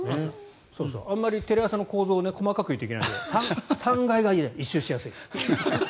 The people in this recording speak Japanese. あまりテレ朝の構造を細かく言うといけないんで３階が１周しやすいです。